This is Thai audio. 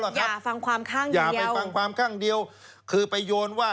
บอกว่าอย่าฟังความข้างเดียวคือไปโยนว่า